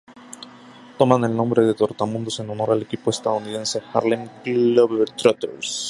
Toman el nombre de Trotamundos en honor al equipo estadounidense Harlem Globetrotters.